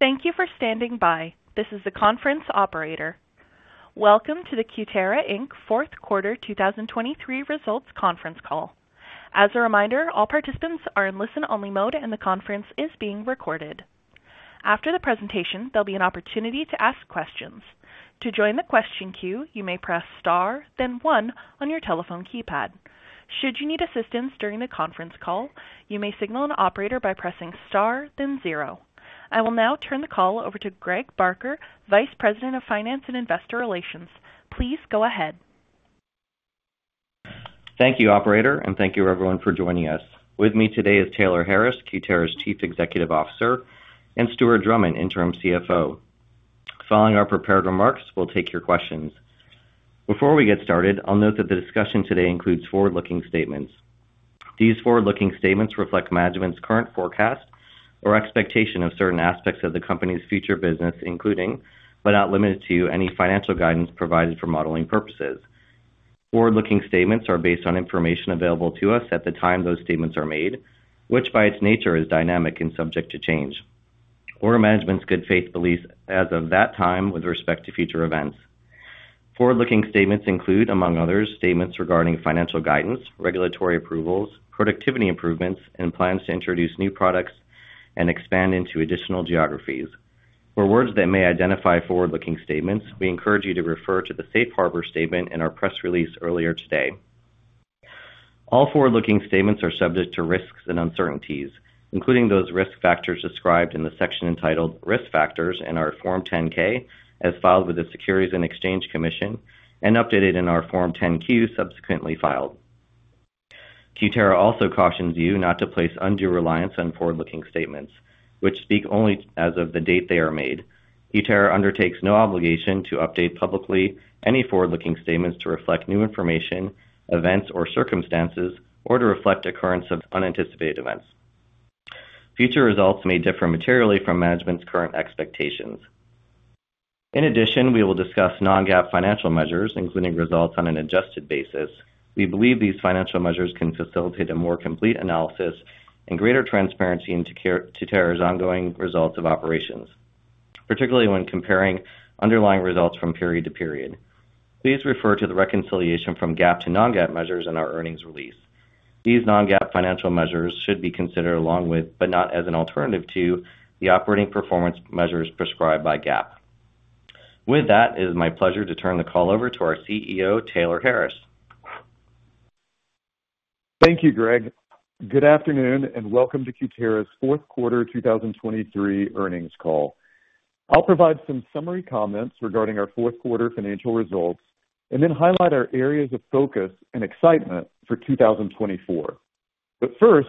Thank you for standing by. This is the conference operator. Welcome to the Cutera, Inc. Fourth Quarter 2023 Results conference call. As a reminder, all participants are in listen-only mode, and the conference is being recorded. After the presentation, there'll be an opportunity to ask questions. To join the question queue, you may press Star, then one on your telephone keypad. Should you need assistance during the conference call, you may signal an operator by pressing Star, then zero. I will now turn the call over to Greg Barker, Vice President of Finance and Investor Relations. Please go ahead. Thank you, operator, and thank you, everyone, for joining us. With me today is Taylor Harris, Cutera's Chief Executive Officer, and Stuart Drummond, Interim CFO. Following our prepared remarks, we'll take your questions. Before we get started, I'll note that the discussion today includes forward-looking statements. These forward-looking statements reflect management's current forecast or expectation of certain aspects of the company's future business, including, but not limited to, any financial guidance provided for modeling purposes. Forward-looking statements are based on information available to us at the time those statements are made, which, by its nature, is dynamic and subject to change, or management's good faith beliefs as of that time with respect to future events. Forward-looking statements include, among others, statements regarding financial guidance, regulatory approvals, productivity improvements, and plans to introduce new products and expand into additional geographies. For words that may identify forward-looking statements, we encourage you to refer to the safe harbor statement in our press release earlier today. All forward-looking statements are subject to risks and uncertainties, including those risk factors described in the section entitled Risk Factors in our Form 10-K as filed with the Securities and Exchange Commission, and updated in our Form 10-Q, subsequently filed. Cutera also cautions you not to place undue reliance on forward-looking statements which speak only as of the date they are made. Cutera undertakes no obligation to update publicly any forward-looking statements to reflect new information, events or circumstances, or to reflect occurrence of unanticipated events. Future results may differ materially from management's current expectations. In addition, we will discuss non-GAAP financial measures, including results on an adjusted basis. We believe these financial measures can facilitate a more complete analysis and greater transparency into Cutera's ongoing results of operations, particularly when comparing underlying results from period to period. Please refer to the reconciliation from GAAP to non-GAAP measures in our earnings release. These non-GAAP financial measures should be considered along with, but not as an alternative to, the operating performance measures prescribed by GAAP. With that, it is my pleasure to turn the call over to our CEO, Taylor Harris. Thank you, Greg. Good afternoon and welcome to Cutera's Fourth Quarter 2023 earnings call. I'll provide some summary comments regarding our fourth quarter financial results and then highlight our areas of focus and excitement for 2024. But first,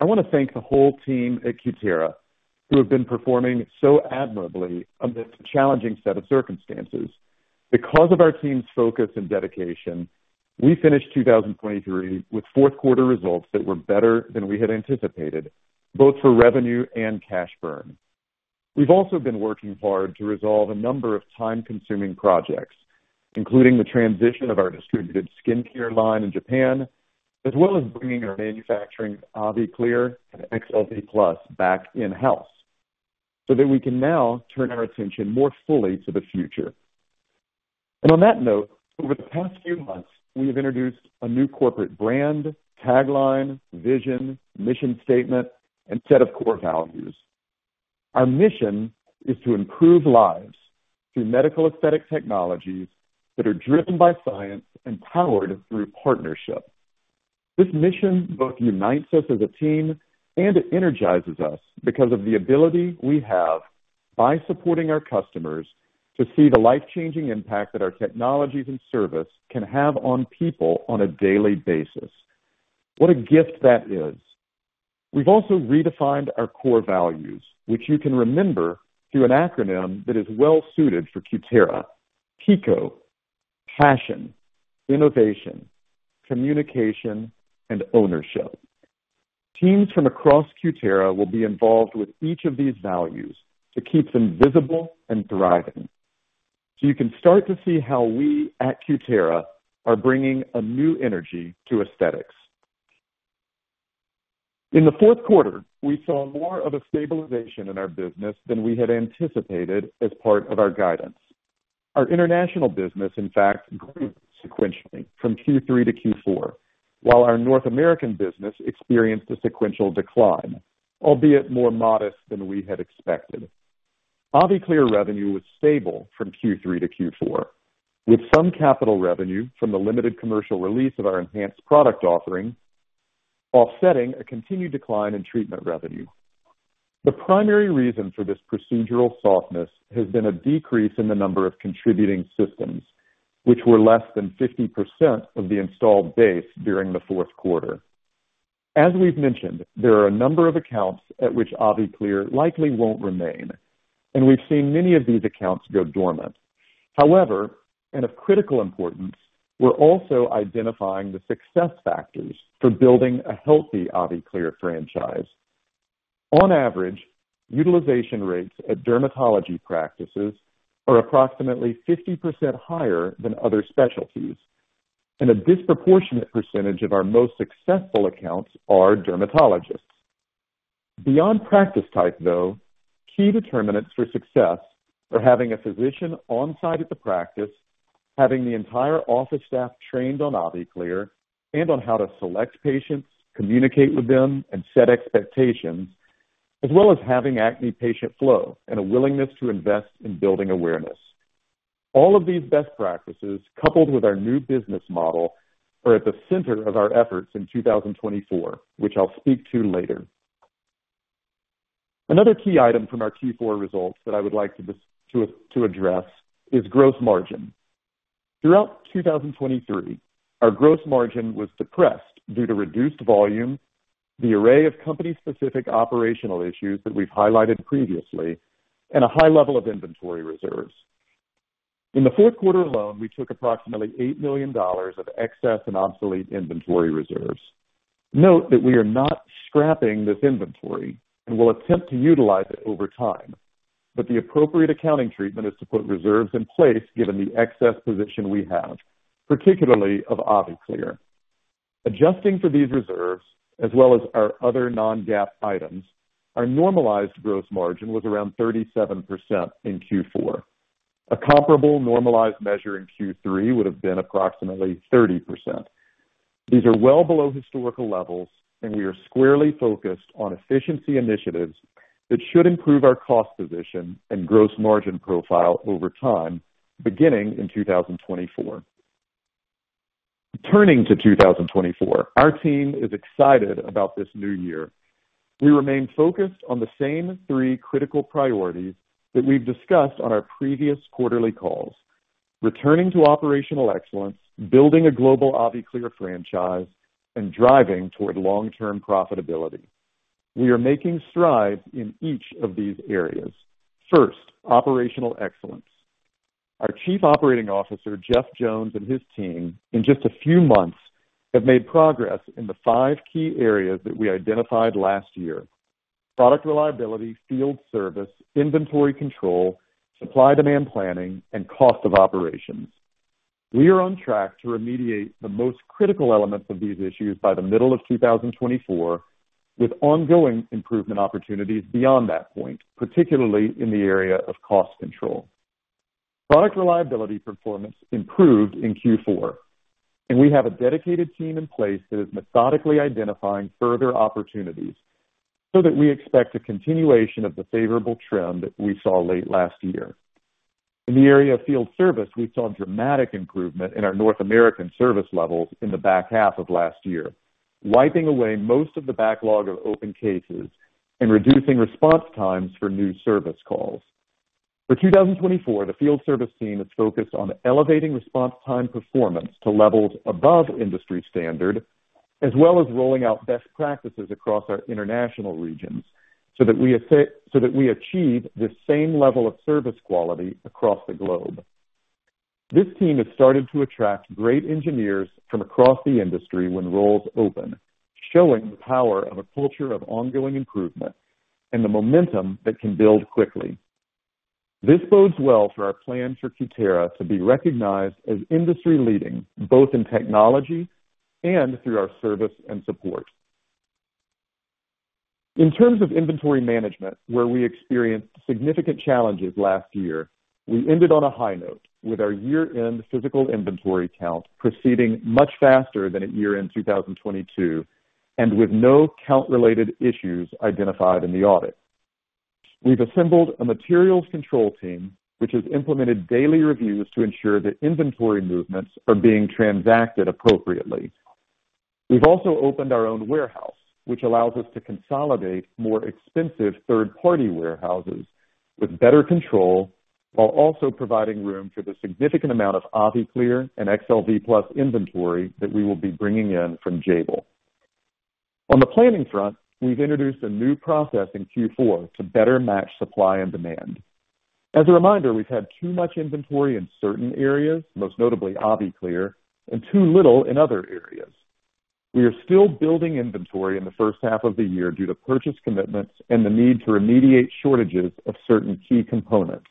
I want to thank the whole team at Cutera, who have been performing so admirably amidst a challenging set of circumstances. Because of our team's focus and dedication, we finished 2023 with fourth quarter results that were better than we had anticipated, both for revenue and cash burn. We've also been working hard to resolve a number of time-consuming projects, including the transition of our distributed skincare line in Japan, as well as bringing our manufacturing AviClear and excel V+ back in-house, so that we can now turn our attention more fully to the future. On that note, over the past few months, we have introduced a new corporate brand, tagline, vision, mission statement, and set of core values. Our mission is to improve lives through medical aesthetic technologies that are driven by science and powered through partnership. This mission both unites us as a team and it energizes us because of the ability we have, by supporting our customers, to see the life-changing impact that our technologies and service can have on people on a daily basis. What a gift that is! We've also redefined our core values, which you can remember through an acronym that is well suited for Cutera. PICO: Passion, Innovation, Communication, and Ownership. Teams from across Cutera will be involved with each of these values to keep them visible and thriving. You can start to see how we at Cutera are bringing a new energy to aesthetics. In the fourth quarter, we saw more of a stabilization in our business than we had anticipated as part of our guidance. Our international business, in fact, improved sequentially from Q3 to Q4, while our North American business experienced a sequential decline, albeit more modest than we had expected. AviClear revenue was stable from Q3 to Q4, with some capital revenue from the limited commercial release of our enhanced product offering offsetting a continued decline in treatment revenue. The primary reason for this procedural softness has been a decrease in the number of contributing systems, which were less than 50% of the installed base during the fourth quarter. As we've mentioned, there are a number of accounts at which AviClear likely won't remain, and we've seen many of these accounts go dormant. However, and of critical importance, we're also identifying the success factors for building a healthy AviClear franchise. On average, utilization rates at dermatology practices are approximately 50% higher than other specialties, and a disproportionate percentage of our most successful accounts are dermatologists. Beyond practice type, though, key determinants for success are having a physician on-site at the practice, having the entire office staff trained on AviClear, and on how to select patients, communicate with them, and set expectations, as well as having acne patient flow and a willingness to invest in building awareness. All of these best practices, coupled with our new business model, are at the center of our efforts in 2024, which I'll speak to later. Another key item from our Q4 results that I would like to address is Gross Margin. Throughout 2023, our Gross Margin was suppressed due to reduced volume, the array of company-specific operational issues that we've highlighted previously, and a high level of inventory reserves. In the fourth quarter alone, we took approximately $8 million of excess and obsolete inventory reserves. Note that we are not scrapping this inventory and will attempt to utilize it over time, but the appropriate accounting treatment is to put reserves in place, given the excess position we have, particularly of AviClear. Adjusting for these reserves, as well as our other Non-GAAP items, our normalized gross margin was around 37% in Q4. A comparable normalized measure in Q3 would have been approximately 30%. These are well below historical levels, and we are squarely focused on efficiency initiatives that should improve our cost position and gross margin profile over time, beginning in 2024. Turning to 2024, our team is excited about this new year. We remain focused on the same three critical priorities that we've discussed on our previous quarterly calls: returning to operational excellence, building a global AviClear franchise, and driving toward long-term profitability. We are making strides in each of these areas. First, operational excellence. Our Chief Operating Officer, Jeff Jones, and his team, in just a few months, have made progress in the five key areas that we identified last year: product reliability, field service, inventory control, supply demand planning, and cost of operations. We are on track to remediate the most critical elements of these issues by the middle of 2024, with ongoing improvement opportunities beyond that point, particularly in the area of cost control. Product reliability performance improved in Q4, and we have a dedicated team in place that is methodically identifying further opportunities so that we expect a continuation of the favorable trend that we saw late last year. In the area of field service, we saw dramatic improvement in our North American service levels in the back half of last year, wiping away most of the backlog of open cases and reducing response times for new service calls. For 2024, the field service team is focused on elevating response time performance to levels above industry standard, as well as rolling out best practices across our international regions, so that we achieve the same level of service quality across the globe. This team has started to attract great engineers from across the industry when roles open, showing the power of a culture of ongoing improvement and the momentum that can build quickly. This bodes well for our plan for Cutera to be recognized as industry-leading, both in technology and through our service and support. In terms of inventory management, where we experienced significant challenges last year, we ended on a high note with our year-end physical inventory count proceeding much faster than at year-end 2022, and with no count-related issues identified in the audit. We've assembled a materials control team, which has implemented daily reviews to ensure that inventory movements are being transacted appropriately. We've also opened our own warehouse, which allows us to consolidate more expensive third-party warehouses with better control, while also providing room for the significant amount of AviClear and excel V+ inventory that we will be bringing in from Jabil. On the planning front, we've introduced a new process in Q4 to better match supply and demand. As a reminder, we've had too much inventory in certain areas, most notably AviClear, and too little in other areas. We are still building inventory in the first half of the year due to purchase commitments and the need to remediate shortages of certain key components.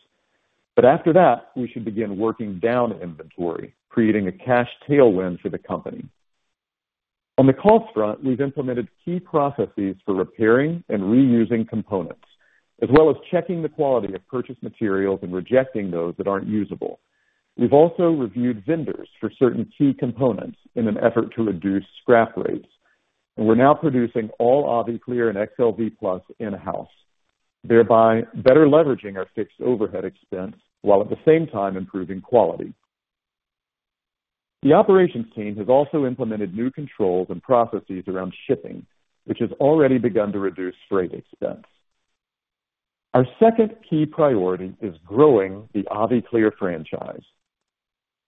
But after that, we should begin working down inventory, creating a cash tailwind for the company. On the cost front, we've implemented key processes for repairing and reusing components, as well as checking the quality of purchased materials and rejecting those that aren't usable. We've also reviewed vendors for certain key components in an effort to reduce scrap rates, and we're now producing all AviClear and excel V+ in-house, thereby better leveraging our fixed overhead expense, while at the same time improving quality. The operations team has also implemented new controls and processes around shipping, which has already begun to reduce freight expense. Our second key priority is growing the AviClear franchise.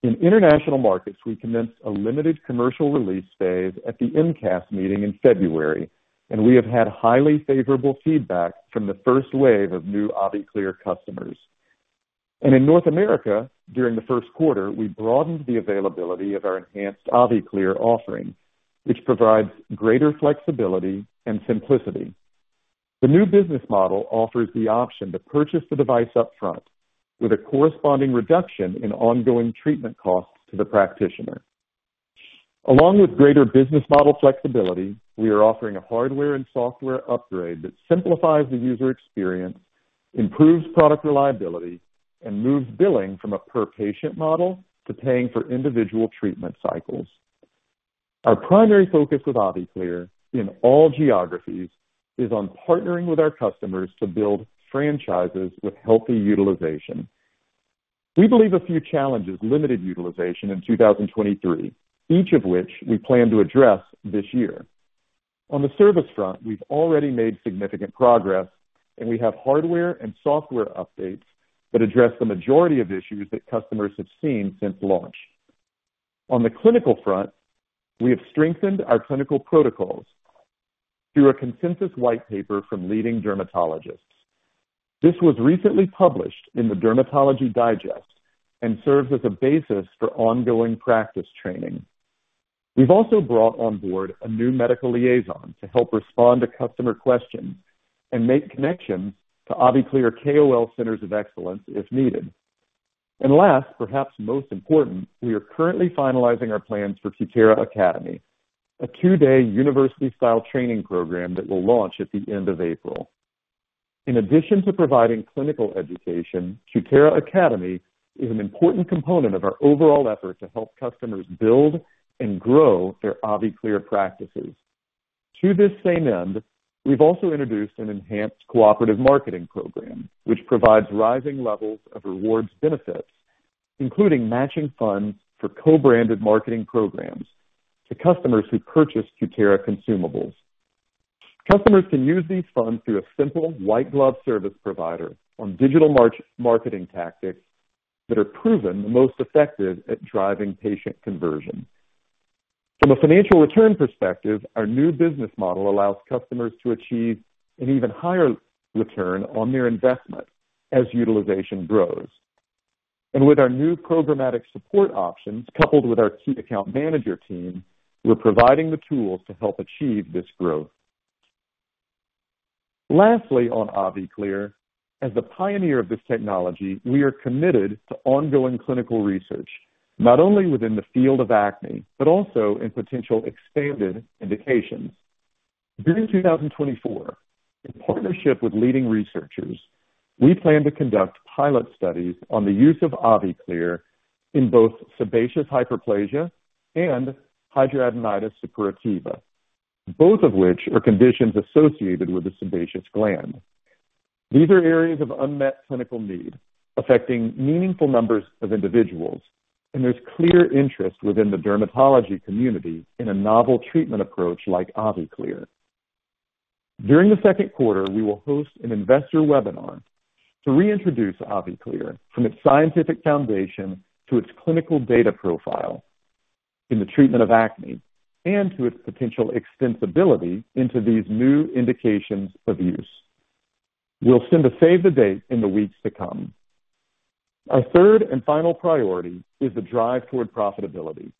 In international markets, we commenced a limited commercial release phase at the IMCAS meeting in February, and we have had highly favorable feedback from the first wave of new AviClear customers. In North America, during the first quarter, we broadened the availability of our enhanced AviClear offering, which provides greater flexibility and simplicity.... The new business model offers the option to purchase the device upfront, with a corresponding reduction in ongoing treatment costs to the practitioner. Along with greater business model flexibility, we are offering a hardware and software upgrade that simplifies the user experience, improves product reliability, and moves billing from a per-patient model to paying for individual treatment cycles. Our primary focus with AviClear in all geographies is on partnering with our customers to build franchises with healthy utilization. We believe a few challenges limited utilization in 2023, each of which we plan to address this year. On the service front, we've already made significant progress, and we have hardware and software updates that address the majority of issues that customers have seen since launch. On the clinical front, we have strengthened our clinical protocols through a consensus white paper from leading dermatologists. This was recently published in the Dermatology Digest and serves as a basis for ongoing practice training. We've also brought on board a new medical liaison to help respond to customer questions and make connections to AviClear KOL Centers of Excellence if needed. Last, perhaps most important, we are currently finalizing our plans for Cutera Academy, a two-day university-style training program that will launch at the end of April. In addition to providing clinical education, Cutera Academy is an important component of our overall effort to help customers build and grow their AviClear practices. To this same end, we've also introduced an enhanced cooperative marketing program, which provides rising levels of rewards benefits, including matching funds for co-branded marketing programs to customers who purchase Cutera consumables. Customers can use these funds through a simple white glove service provider on digital marketing tactics that are proven the most effective at driving patient conversion. From a financial return perspective, our new business model allows customers to achieve an even higher return on their investment as utilization grows. With our new programmatic support options, coupled with our key account manager team, we're providing the tools to help achieve this growth. Lastly, on AviClear, as the pioneer of this technology, we are committed to ongoing clinical research, not only within the field of acne, but also in potential expanded indications. During 2024, in partnership with leading researchers, we plan to conduct pilot studies on the use of AviClear in both sebaceous hyperplasia and hidradenitis suppurativa, both of which are conditions associated with the sebaceous gland. These are areas of unmet clinical need, affecting meaningful numbers of individuals, and there's clear interest within the dermatology community in a novel treatment approach like AviClear. During the second quarter, we will host an investor webinar to reintroduce AviClear from its scientific foundation to its clinical data profile in the treatment of acne and to its potential extensibility into these new indications of use. We'll send a save the date in the weeks to come. Our third and final priority is the drive toward profitability.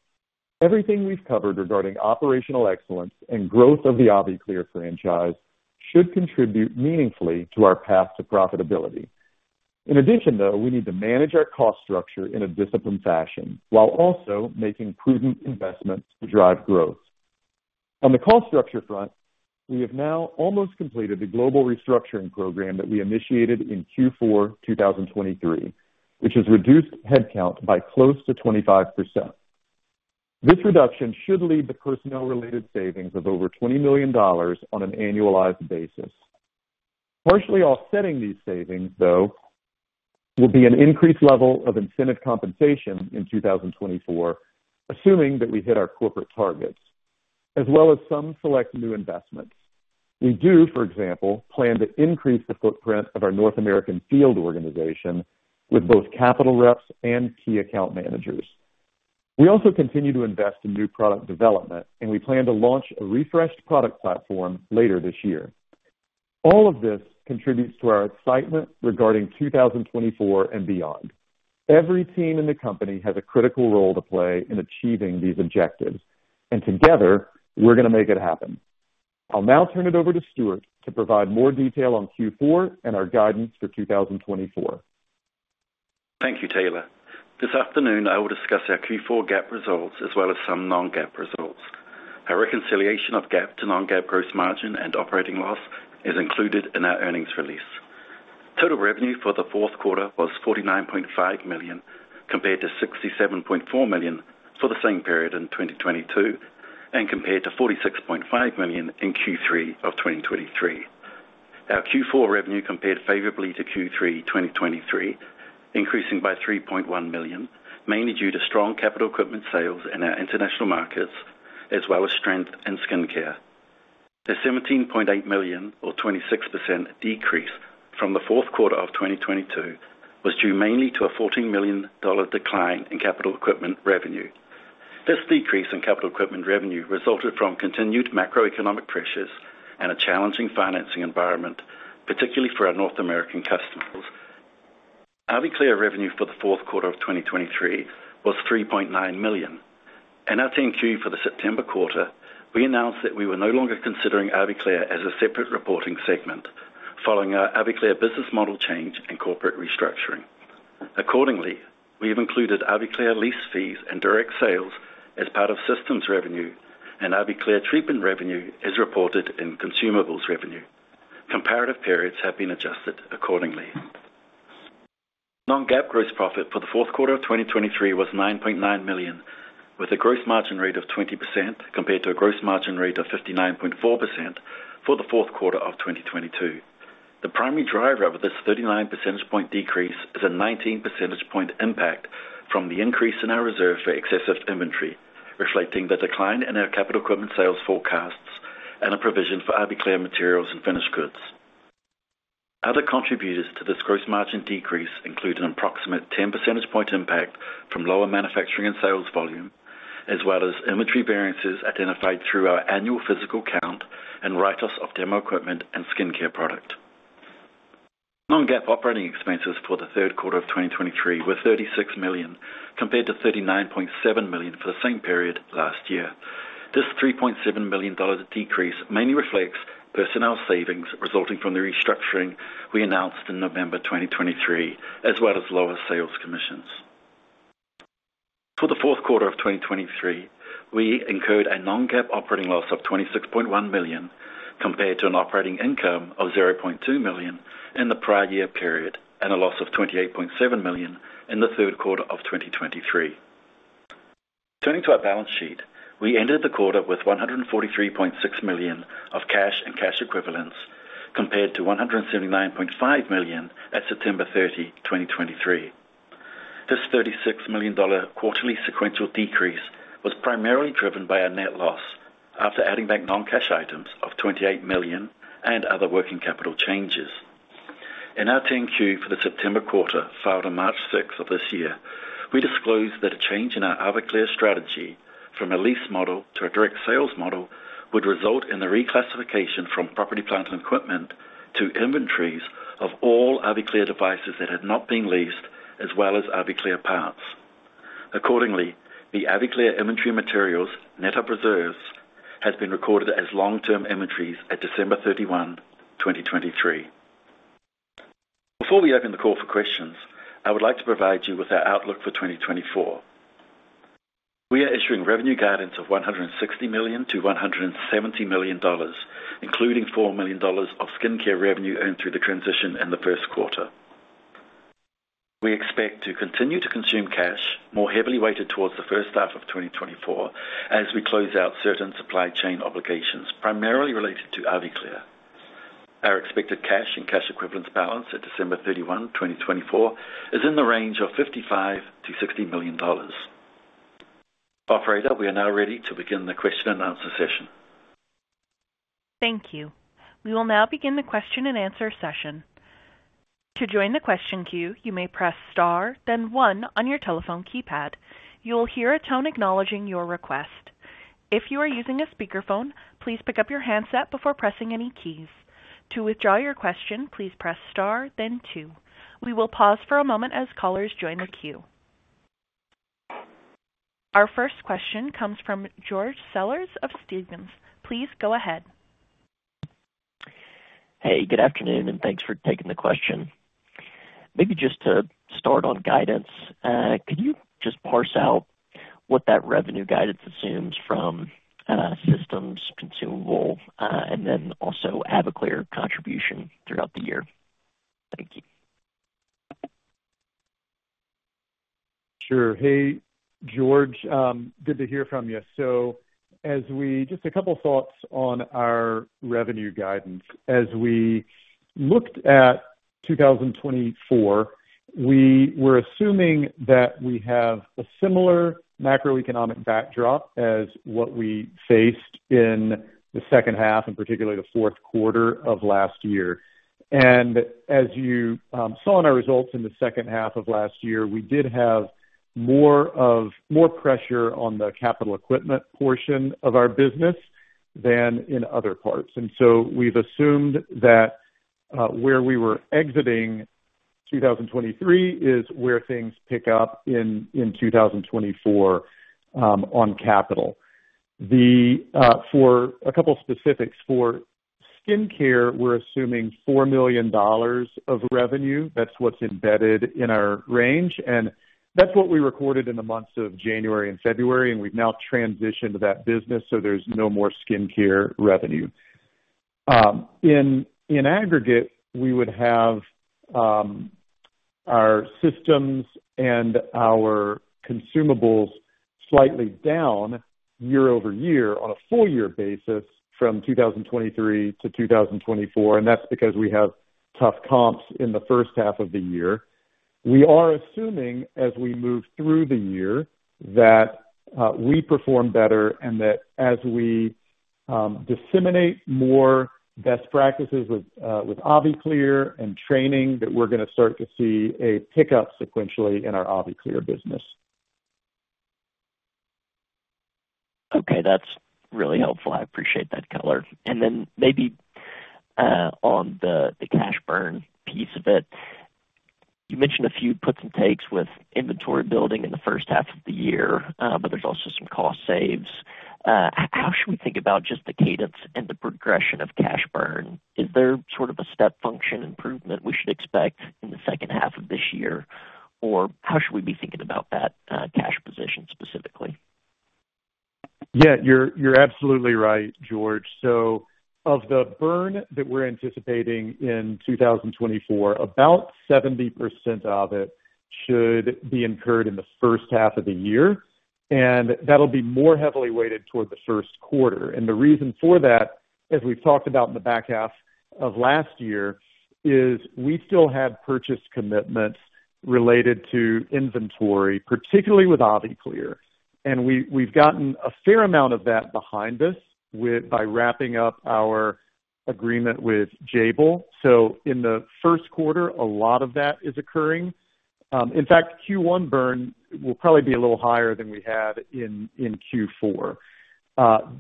Everything we've covered regarding operational excellence and growth of the AviClear franchise should contribute meaningfully to our path to profitability. In addition, though, we need to manage our cost structure in a disciplined fashion, while also making prudent investments to drive growth. On the cost structure front, we have now almost completed the global restructuring program that we initiated in Q4 2023, which has reduced headcount by close to 25%. This reduction should lead to personnel-related savings of over $20 million on an annualized basis. Partially offsetting these savings, though, will be an increased level of incentive compensation in 2024, assuming that we hit our corporate targets, as well as some select new investments. We do, for example, plan to increase the footprint of our North American field organization with both capital reps and key account managers. We also continue to invest in new product development, and we plan to launch a refreshed product platform later this year. All of this contributes to our excitement regarding 2024 and beyond. Every team in the company has a critical role to play in achieving these objectives, and together, we're going to make it happen. I'll now turn it over to Stuart to provide more detail on Q4 and our guidance for 2024. Thank you, Taylor. This afternoon, I will discuss our Q4 GAAP results as well as some non-GAAP results. Our reconciliation of GAAP to non-GAAP gross margin and operating loss is included in our earnings release. Total revenue for the fourth quarter was $49.5 million, compared to $67.4 million for the same period in 2022, and compared to $46.5 million in Q3 of 2023. Our Q4 revenue compared favorably to Q3 2023, increasing by $3.1 million, mainly due to strong capital equipment sales in our international markets, as well as strength in skincare. The $17.8 million, or 26% decrease from the fourth quarter of 2022, was due mainly to a $14 million dollar decline in capital equipment revenue. This decrease in capital equipment revenue resulted from continued macroeconomic pressures and a challenging financing environment, particularly for our North American customers. AviClear revenue for the fourth quarter of 2023 was $3.9 million. In our 10-Q for the September quarter, we announced that we were no longer considering AviClear as a separate reporting segment, following our AviClear business model change and corporate restructuring. Accordingly, we've included AviClear lease fees and direct sales as part of systems revenue, and AviClear treatment revenue is reported in consumables revenue. Comparative periods have been adjusted accordingly. Non-GAAP gross profit for the fourth quarter of 2023 was $9.9 million, with a gross margin rate of 20%, compared to a gross margin rate of 59.4% for the fourth quarter of 2022. The primary driver of this 39 percentage point decrease is a 19 percentage point impact from the increase in our reserve for excessive inventory, reflecting the decline in our capital equipment sales forecasts and a provision for AviClear materials and finished goods. Other contributors to this gross margin decrease include an approximate 10 percentage point impact from lower manufacturing and sales volume, as well as inventory variances identified through our annual physical count and write-offs of demo equipment and skincare product. Non-GAAP operating expenses for the third quarter of 2023 were $36 million, compared to $39.7 million for the same period last year. This $3.7 million decrease mainly reflects personnel savings resulting from the restructuring we announced in November 2023, as well as lower sales commissions. For the fourth quarter of 2023, we incurred a non-GAAP operating loss of $26.1 million, compared to an operating income of $0.2 million in the prior year period, and a loss of $28.7 million in the third quarter of 2023. Turning to our balance sheet, we ended the quarter with $143.6 million of cash and cash equivalents, compared to $179.5 million at September 30, 2023. This $36 million quarterly sequential decrease was primarily driven by a net loss, after adding back non-cash items of $28 million and other working capital changes. In our 10-Q for the September quarter, filed on March 6 of this year, we disclosed that a change in our AviClear strategy from a lease model to a direct sales model would result in the reclassification from property, plant, and equipment to inventories of all AviClear devices that had not been leased, as well as AviClear parts. Accordingly, the AviClear inventory materials, net of reserves, has been recorded as long-term inventories at December 31, 2023. Before we open the call for questions, I would like to provide you with our outlook for 2024. We are issuing revenue guidance of $160 million-$170 million, including $4 million of skincare revenue earned through the transition in the first quarter. We expect to continue to consume cash more heavily weighted towards the first half of 2024 as we close out certain supply chain obligations, primarily related to AviClear. Our expected cash and cash equivalents balance at December 31, 2024, is in the range of $55 million-$60 million. Operator, we are now ready to begin the question and answer session. Thank you. We will now begin the question and answer session. To join the question queue, you may press star then one on your telephone keypad. You will hear a tone acknowledging your request. If you are using a speakerphone, please pick up your handset before pressing any keys. To withdraw your question, please press star then two. We will pause for a moment as callers join the queue. Our first question comes from George Sellers of Stephens. Please go ahead. Hey, good afternoon, and thanks for taking the question. Maybe just to start on guidance, could you just parse out what that revenue guidance assumes from systems, consumables, and then also AviClear contribution throughout the year? Thank you. Sure. Hey, George, good to hear from you. So just a couple thoughts on our revenue guidance. As we looked at 2024, we were assuming that we have a similar macroeconomic backdrop as what we faced in the second half, and particularly the fourth quarter of last year. And as you saw in our results in the second half of last year, we did have more of, more pressure on the capital equipment portion of our business than in other parts. And so we've assumed that where we were exiting 2023 is where things pick up in 2024 on capital. For a couple specifics, for skincare, we're assuming $4 million of revenue. That's what's embedded in our range, and that's what we recorded in the months of January and February, and we've now transitioned that business so there's no more skincare revenue. In aggregate, we would have our systems and our consumables slightly down year-over-year on a full year basis from 2023 to 2024, and that's because we have tough comps in the first half of the year. We are assuming, as we move through the year, that we perform better and that as we disseminate more best practices with AviClear and training, that we're gonna start to see a pickup sequentially in our AviClear business. Okay, that's really helpful. I appreciate that color. And then maybe on the cash burn piece of it, you mentioned a few puts and takes with inventory building in the first half of the year, but there's also some cost saves. How should we think about just the cadence and the progression of cash burn? Is there sort of a step function improvement we should expect in the second half of this year? Or how should we be thinking about that cash position specifically? Yeah, you're, you're absolutely right, George. So of the burn that we're anticipating in 2024, about 70% of it should be incurred in the first half of the year, and that'll be more heavily weighted toward the first quarter. And the reason for that, as we've talked about in the back half of last year, is we still had purchase commitments related to inventory, particularly with AviClear, and we, we've gotten a fair amount of that behind us with by wrapping up our agreement with Jabil. So in the first quarter, a lot of that is occurring. In fact, Q1 burn will probably be a little higher than we had in, in Q4.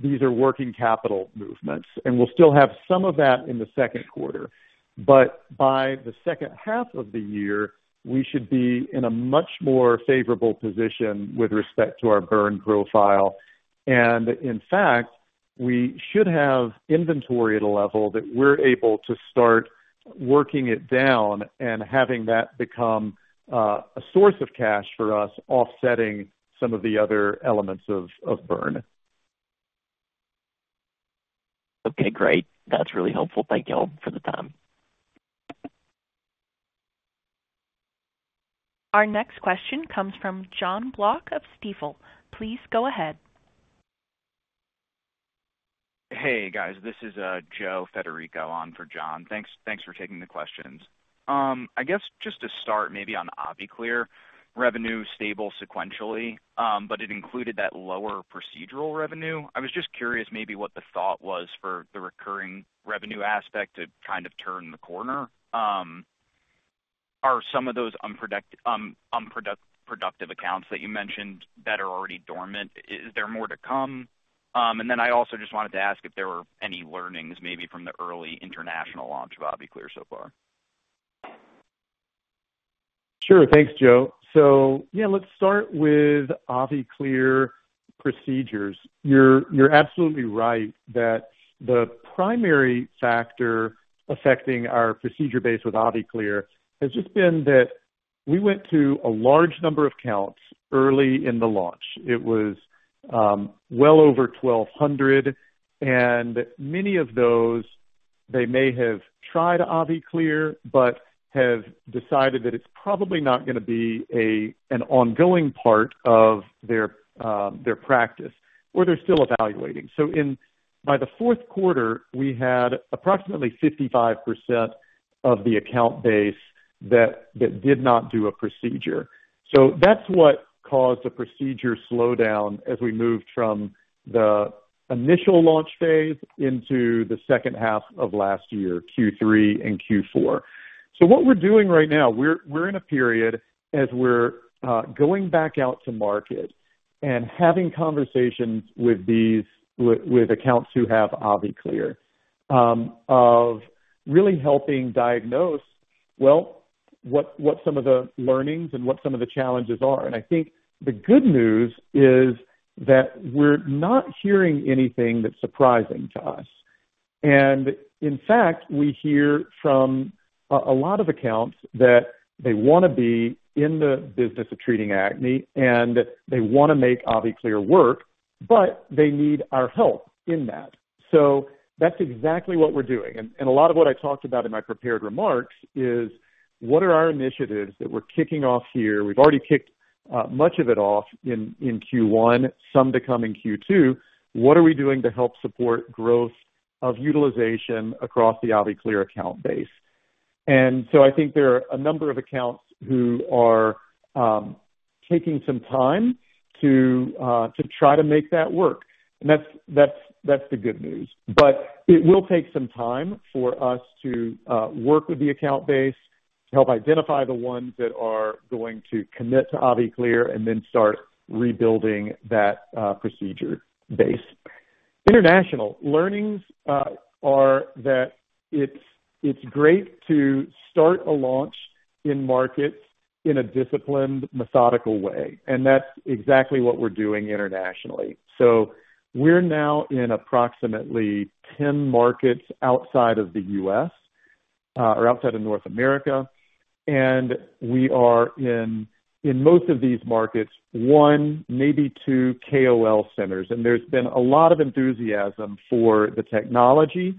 These are working capital movements, and we'll still have some of that in the second quarter, but by the second half of the year, we should be in a much more favorable position with respect to our burn profile. And in fact, we should have inventory at a level that we're able to start working it down and having that become a source of cash for us, offsetting some of the other elements of burn. Okay, great. That's really helpful. Thank you all for the time. Our next question comes from John Block of Stifel. Please go ahead. Hey, guys, this is Joe Federico on for John. Thanks, thanks for taking the questions. I guess just to start maybe on AviClear, revenue stable sequentially, but it included that lower procedural revenue. I was just curious maybe what the thought was for the recurring revenue aspect to kind of turn the corner. Are some of those unproductive accounts that you mentioned that are already dormant, is there more to come? And then I also just wanted to ask if there were any learnings maybe from the early international launch of AviClear so far. Sure. Thanks, Joe. So yeah, let's start with AviClear procedures. You're, you're absolutely right that the primary factor affecting our procedure base with AviClear has just been that we went through a large number of accounts early in the launch. It was well over 1,200, and many of those, they may have tried AviClear, but have decided that it's probably not gonna be a, an ongoing part of their their practice, or they're still evaluating. So by the fourth quarter, we had approximately 55% of the account base that, that did not do a procedure. So that's what caused the procedure slowdown as we moved from the initial launch phase into the second half of last year, Q3 and Q4. So what we're doing right now, we're in a period as we're going back out to market and having conversations with these accounts who have AviClear, of really helping diagnose, well, what some of the learnings and what some of the challenges are. And I think the good news is that we're not hearing anything that's surprising to us. And in fact, we hear from a lot of accounts that they wanna be in the business of treating acne, and they wanna make AviClear work, but they need our help in that. So that's exactly what we're doing. And a lot of what I talked about in my prepared remarks is what are our initiatives that we're kicking off here? We've already kicked much of it off in Q1, some to come in Q2. What are we doing to help support growth of utilization across the AviClear account base? So I think there are a number of accounts who are taking some time to try to make that work, and that's the good news. But it will take some time for us to work with the account base to help identify the ones that are going to commit to AviClear and then start rebuilding that procedure base. International learnings are that it's great to start a launch in markets in a disciplined, methodical way, and that's exactly what we're doing internationally. So we're now in approximately 10 markets outside of the US or outside of North America, and we are in most of these markets, one, maybe two KOL centers, and there's been a lot of enthusiasm for the technology.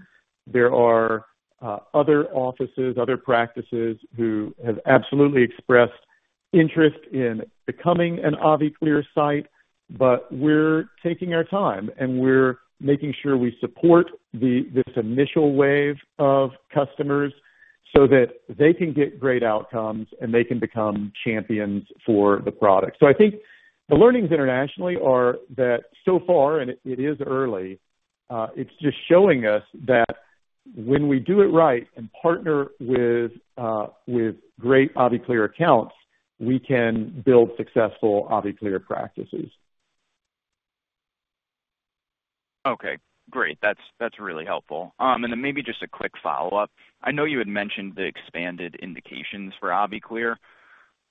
There are other offices, other practices who have absolutely expressed interest in becoming an AviClear site, but we're taking our time, and we're making sure we support this initial wave of customers so that they can get great outcomes and they can become champions for the product. So I think the learnings internationally are that so far, and it is early, it's just showing us that when we do it right and partner with great AviClear accounts, we can build successful AviClear practices. Okay, great. That's, that's really helpful. And then maybe just a quick follow-up. I know you had mentioned the expanded indications for AviClear.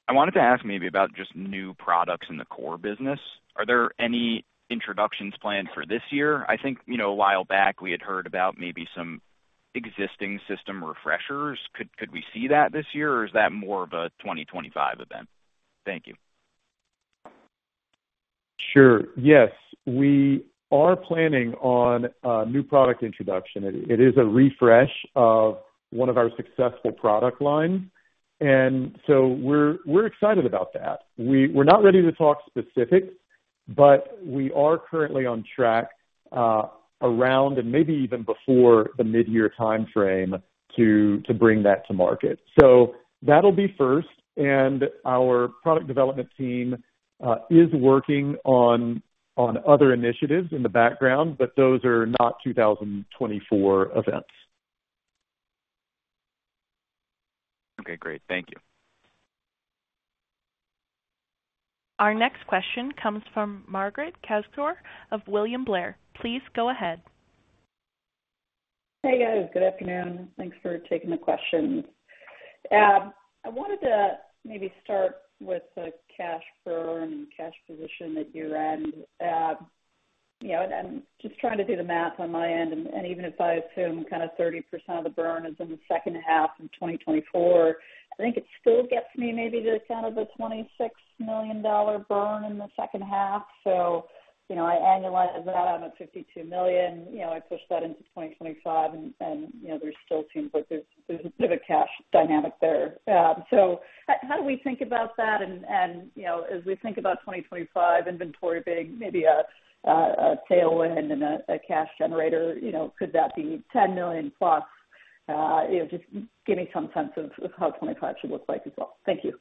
I wanted to ask maybe about just new products in the core business. Are there any introductions planned for this year? I think, you know, a while back, we had heard about maybe some existing system refreshers. Could, could we see that this year, or is that more of a 2025 event? Thank you. Sure. Yes, we are planning on a new product introduction. It is a refresh of one of our successful product lines, and so we're excited about that. We're not ready to talk specifics, but we are currently on track around and maybe even before the midyear timeframe, to bring that to market. So that'll be first, and our product development team is working on other initiatives in the background, but those are not 2024 events. Okay, great. Thank you. Our next question comes from Margaret Kaczor of William Blair. Please go ahead. Hey, guys. Good afternoon. Thanks for taking the questions. I wanted to maybe start with the cash burn and cash position at year-end. You know, and I'm just trying to do the math on my end, and even if I assume kinda 30% of the burn is in the second half of 2024, I think it still gets me maybe to kind of the $26 million burn in the second half. So, you know, I annualize that, I'm at $52 million, you know, I push that into 2025, and, you know, there still seems like there's a bit of a cash dynamic there. So how do we think about that? And, you know, as we think about 2025 inventory being maybe a tailwind and a cash generator, you know, could that be $10+ million? You know, just give me some sense of how 25 should look like as well. Thank you.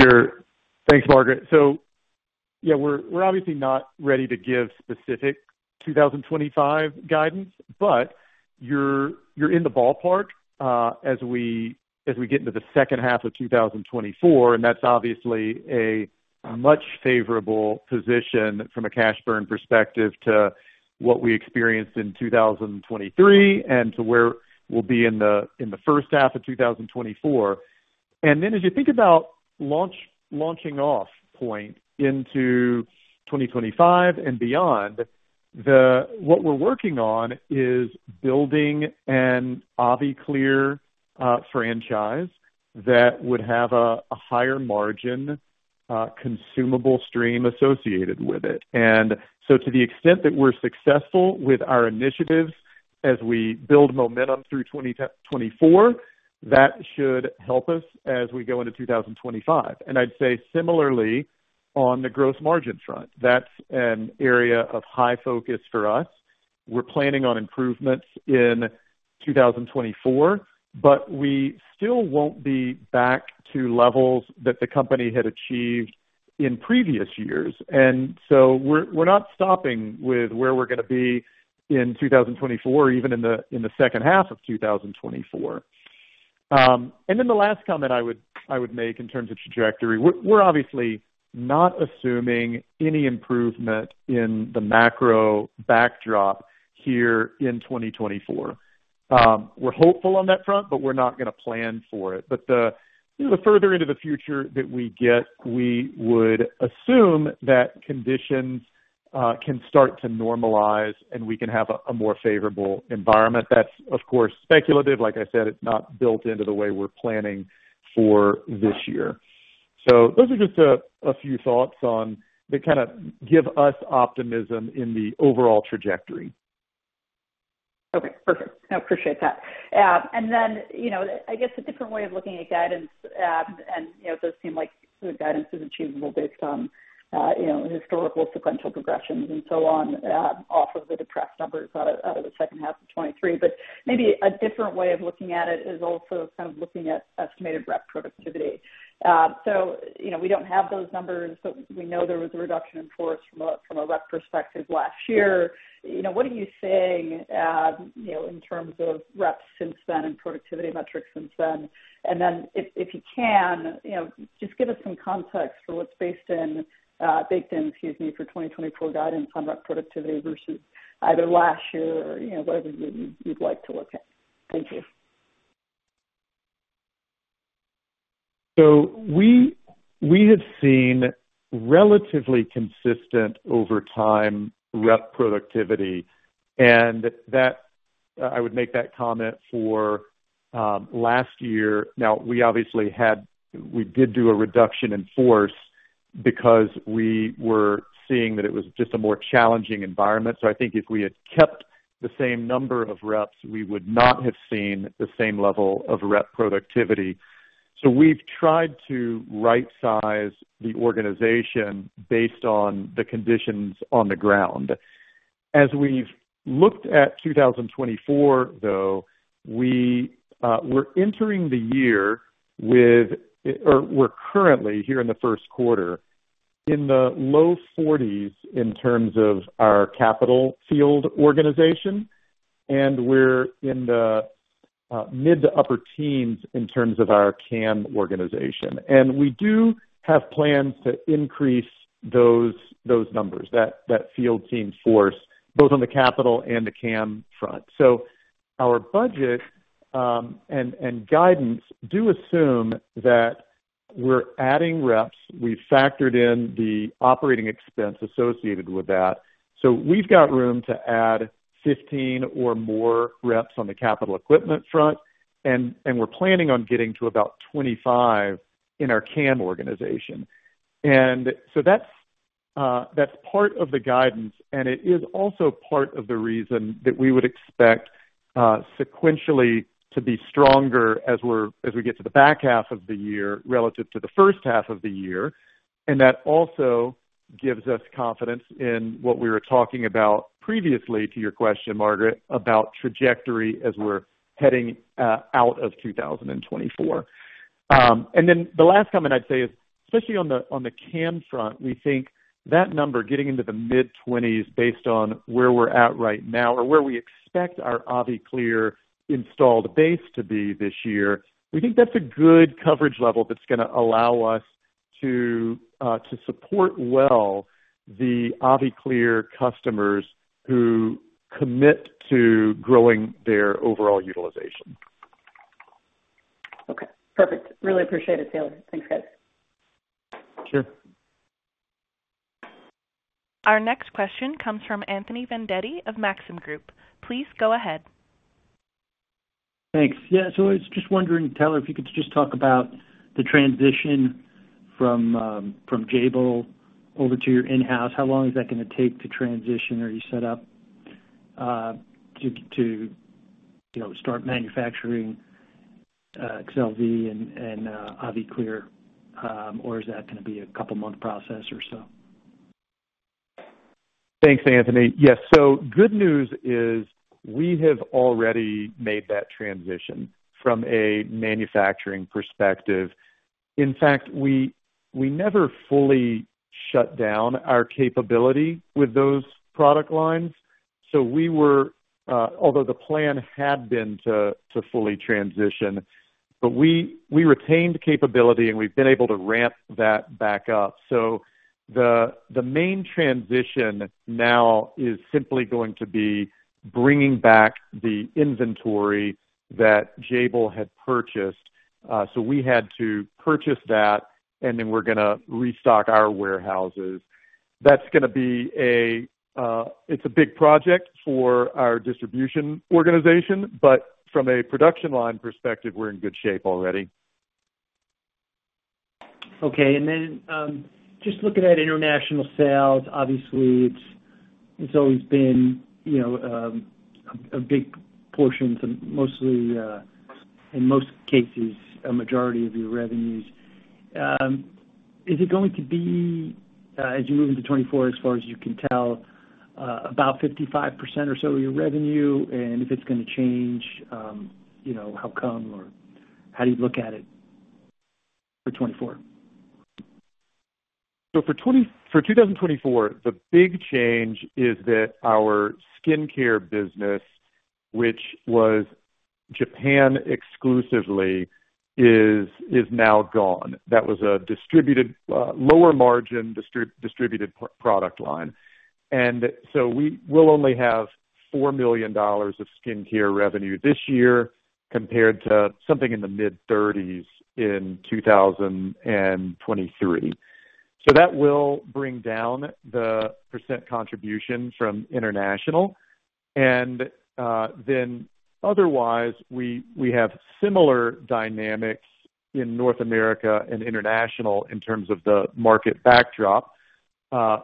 Sure. Thanks, Margaret. So, yeah, we're obviously not ready to give specific 2025 guidance, but you're in the ballpark as we get into the second half of 2024, and that's obviously a much favorable position from a cash burn perspective to what we experienced in 2023 and to where we'll be in the first half of 2024. And then, as you think about launching off point into 2025 and beyond, what we're working on is building an AviClear franchise that would have a higher margin consumable stream associated with it. And so to the extent that we're successful with our initiatives as we build momentum through 2024, that should help us as we go into 2025. And I'd say similarly, on the Gross Margin front, that's an area of high focus for us. We're planning on improvements in 2024, but we still won't be back to levels that the company had achieved in previous years. And so we're not stopping with where we're gonna be in 2024, even in the second half of 2024. And then the last comment I would make in terms of trajectory, we're obviously not assuming any improvement in the macro backdrop here in 2024. We're hopeful on that front, but we're not gonna plan for it. But you know, the further into the future that we get, we would assume that conditions can start to normalize, and we can have a more favorable environment. That's, of course, speculative. Like I said, it's not built into the way we're planning for this year. So those are just a few thoughts on that kinda give us optimism in the overall trajectory. Okay, perfect. I appreciate that. And then, you know, I guess a different way of looking at guidance, and, you know, those seem like the guidance is achievable based on, you know, historical sequential progressions and so on, off of the depressed numbers out of the second half of 2023. But maybe a different way of looking at it is also kind of looking at estimated rep productivity. So, you know, we don't have those numbers, but we know there was a reduction in force from a rep perspective last year. You know, what are you seeing, you know, in terms of reps since then and productivity metrics since then? If you can, you know, just give us some context for what's baked in, excuse me, for 2024 guidance on rep productivity versus either last year or, you know, whatever you'd like to look at. Thank you. So we, we have seen relatively consistent over time rep productivity, and that -- I would make that comment for last year. Now, we obviously had we did do a reduction in force because we were seeing that it was just a more challenging environment. So I think if we had kept the same number of reps, we would not have seen the same level of rep productivity. So we've tried to right-size the organization based on the conditions on the ground. As we've looked at 2024, though, we, we're entering the year with. Or we're currently here in the first quarter in the low 40s in terms of our capital field organization, and we're in the mid- to upper teens in terms of our CAM organization. And we do have plans to increase those numbers, that field team force, both on the capital and the CAM front. So our budget and guidance do assume that we're adding reps. We've factored in the operating expense associated with that, so we've got room to add 15 or more reps on the capital equipment front, and we're planning on getting to about 25 in our CAM organization. And so that's part of the guidance, and it is also part of the reason that we would expect sequentially to be stronger as we get to the back half of the year relative to the first half of the year. And that also gives us confidence in what we were talking about previously, to your question, Margaret, about trajectory as we're heading out of 2024. Then the last comment I'd say is, especially on the CAM front, we think that number getting into the mid-20s based on where we're at right now or where we expect our AviClear installed base to be this year, we think that's a good coverage level that's gonna allow us to support well the AviClear customers who commit to growing their overall utilization. Okay, perfect. Really appreciate it, Taylor. Thanks, guys. Sure. Our next question comes from Anthony Vendetti of Maxim Group. Please go ahead. Thanks. Yeah, so I was just wondering, Taylor, if you could just talk about the transition from from Jabil over to your in-house. How long is that gonna take to transition? Are you set up, to you know, start manufacturing, excel V and AviClear, or is that gonna be a couple month process or so? Thanks, Anthony. Yes, so good news is we have already made that transition from a manufacturing perspective. In fact, we never fully shut down our capability with those product lines, so we were, although the plan had been to fully transition, but we retained capability, and we've been able to ramp that back up. So the main transition now is simply going to be bringing back the inventory that Jabil had purchased. So we had to purchase that, and then we're gonna restock our warehouses. That's gonna be a, it's a big project for our distribution organization, but from a production line perspective, we're in good shape already. Okay. And then, just looking at international sales, obviously it's always been, you know, a big portion, mostly in most cases, a majority of your revenues. Is it going to be, as you move into 2024, as far as you can tell, about 55% or so of your revenue? And if it's gonna change, you know, how come? Or how do you look at it for 2024? So for 2024, the big change is that our skincare business, which was Japan exclusively, is now gone. That was a distributed, lower margin distributed product line, and so we will only have $4 million of skincare revenue this year, compared to something in the mid-30s in 2023. So that will bring down the percent contribution from international. And then otherwise, we have similar dynamics in North America and international in terms of the market backdrop.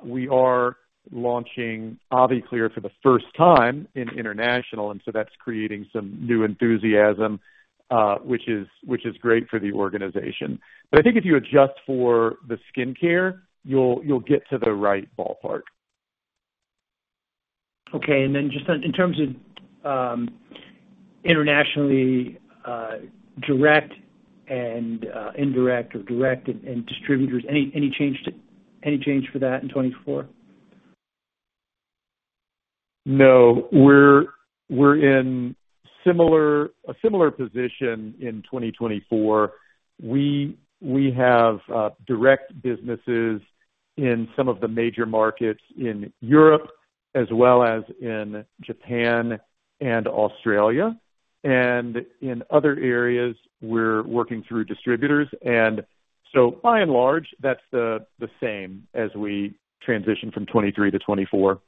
We are launching AviClear for the first time in international, and so that's creating some new enthusiasm, which is great for the organization. But I think if you adjust for the skincare, you'll get to the right ballpark. Okay. And then just in terms of internationally, direct and indirect or direct and distributors, any change for that in 2024? No, we're in a similar position in 2024. We have direct businesses in some of the major markets in Europe as well as in Japan and Australia, and in other areas we're working through distributors. And so by and large, that's the same as we transition from 2023 to 2024.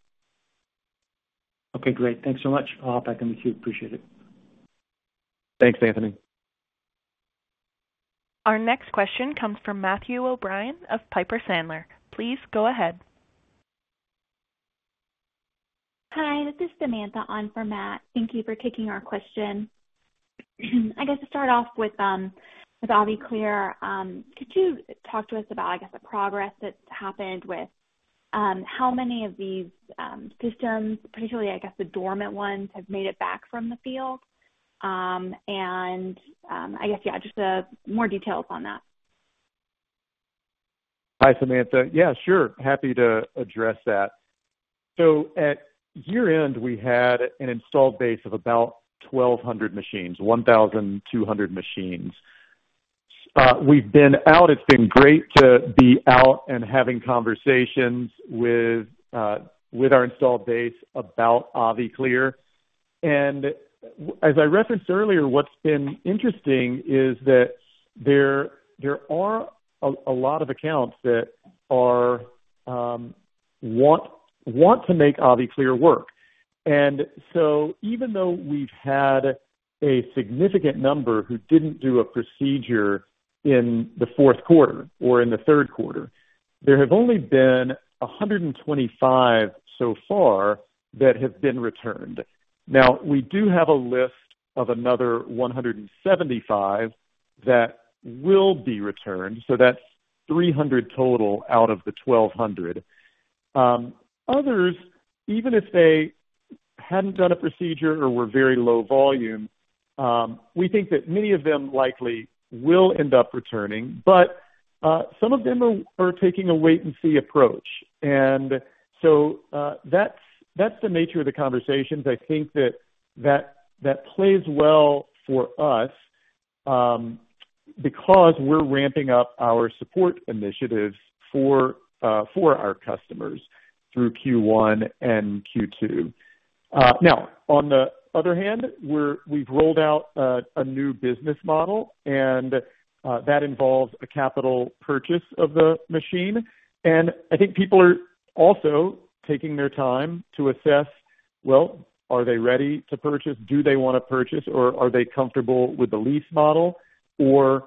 Okay, great. Thanks so much. I'll hop back in the queue. Appreciate it. Thanks, Anthony. Our next question comes from Matthew O'Brien of Piper Sandler. Please go ahead. Hi, this is Samantha on for Matt. Thank you for taking our question. I guess to start off with, with AviClear, could you talk to us about, I guess, the progress that's happened. How many of these systems, particularly, I guess, the dormant ones, have made it back from the field? And, I guess, yeah, just more details on that. Hi, Samantha. Yeah, sure, happy to address that. So at year-end, we had an installed base of about 1,200 machines, 1,200 machines. We've been out and having conversations with our installed base about AviClear. It's been great to be out and having conversations with our installed base about AviClear. And as I referenced earlier, what's been interesting is that there are a lot of accounts that want to make AviClear work. And so even though we've had a significant number who didn't do a procedure in the fourth quarter or in the third quarter, there have only been 125 so far that have been returned. Now, we do have a list of another 175 that will be returned, so that's 300 total out of the 1,200. Others, even if they hadn't done a procedure or were very low volume, we think that many of them likely will end up returning, but some of them are taking a wait-and-see approach. And so, that's the nature of the conversations. I think that plays well for us, because we're ramping up our support initiatives for our customers through Q1 and Q2. Now, on the other hand, we've rolled out a new business model, and that involves a capital purchase of the machine. And I think people are also taking their time to assess, well, are they ready to purchase? Do they wanna purchase, or are they comfortable with the lease model, or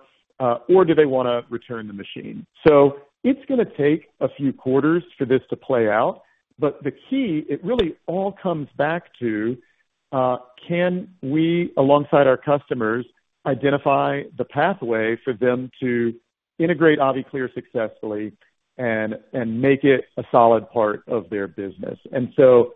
do they wanna return the machine? So it's gonna take a few quarters for this to play out, but the key, it really all comes back to, can we, alongside our customers, identify the pathway for them to integrate AviClear successfully and make it a solid part of their business? And so,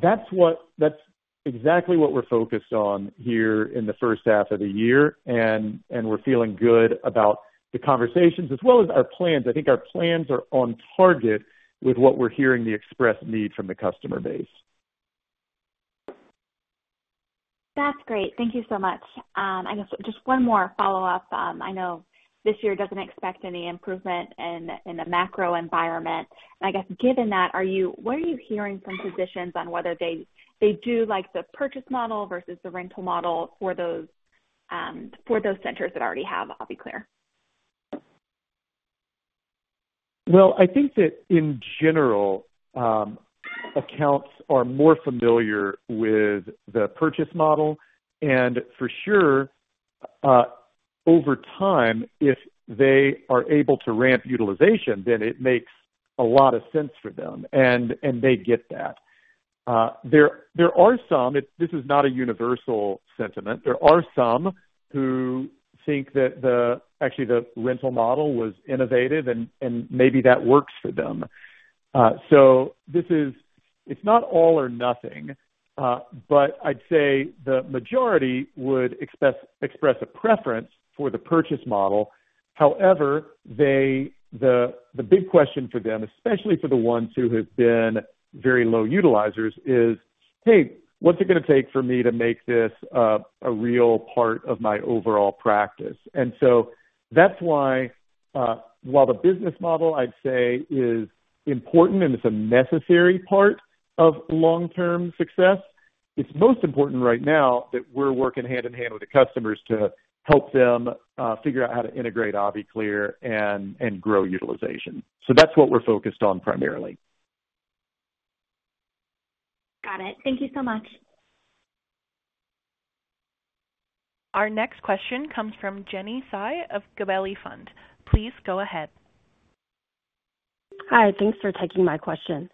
that's exactly what we're focused on here in the first half of the year, and we're feeling good about the conversations as well as our plans. I think our plans are on target with what we're hearing, the expressed need from the customer base. That's great. Thank you so much. I guess just one more follow-up. I know this year doesn't expect any improvement in the macro environment, and I guess, given that, what are you hearing from physicians on whether they do like the purchase model versus the rental model for those centers that already have AviClear? Well, I think that in general, accounts are more familiar with the purchase model, and for sure, over time, if they are able to ramp utilization, then it makes a lot of sense for them, and they get that. There are some, this is not a universal sentiment. There are some who think that actually, the rental model was innovative, and maybe that works for them. So this is. It's not all or nothing, but I'd say the majority would express a preference for the purchase model. However, the big question for them, especially for the ones who have been very low utilizers, is, "Hey, what's it gonna take for me to make this a real part of my overall practice?" And so that's why, while the business model, I'd say, is important and it's a necessary part of long-term success, it's most important right now that we're working hand-in-hand with the customers to help them figure out how to integrate AviClear and grow utilization. So that's what we're focused on primarily. Got it. Thank you so much. Our next question comes from Jennie Tsai of Gabelli Funds. Please go ahead. Hi. Thanks for taking my question.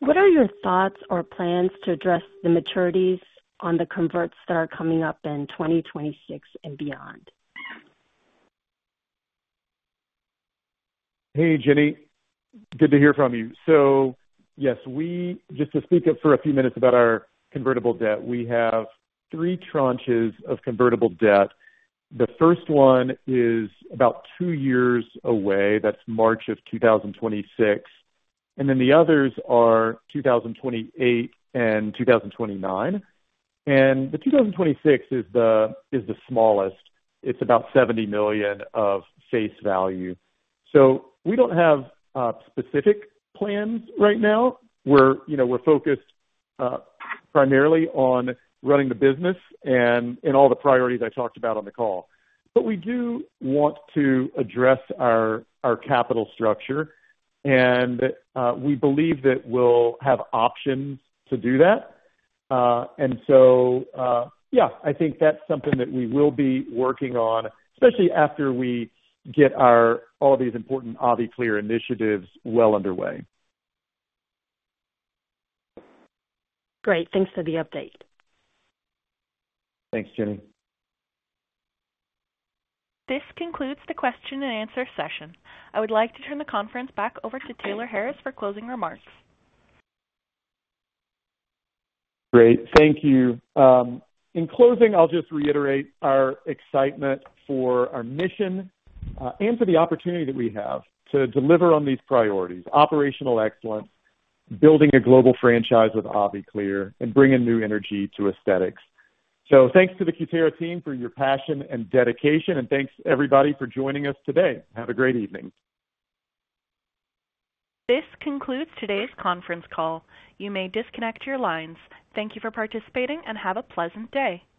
What are your thoughts or plans to address the maturities on the converts that are coming up in 2026 and beyond? Hey, Jenny, good to hear from you. So, yes, we just to speak up for a few minutes about our convertible debt, we have three tranches of convertible debt. The first one is about two years away, that's March of 2026, and then the others are 2028 and 2029. And the 2026 is the smallest. It's about $70 million of face value. So we don't have specific plans right now. We're, you know, we're focused primarily on running the business and all the priorities I talked about on the call. But we do want to address our capital structure, and we believe that we'll have options to do that. And so, yeah, I think that's something that we will be working on, especially after we get all these important AviClear initiatives well underway. Great. Thanks for the update. Thanks, Jenny. This concludes the question and answer session. I would like to turn the conference back over to Taylor Harris for closing remarks. Great. Thank you. In closing, I'll just reiterate our excitement for our mission, and for the opportunity that we have to deliver on these priorities, operational excellence, building a global franchise with AviClear, and bringing new energy to aesthetics. So thanks to the Cutera team for your passion and dedication, and thanks, everybody, for joining us today. Have a great evening. This concludes today's conference call. You may disconnect your lines. Thank you for participating and have a pleasant day.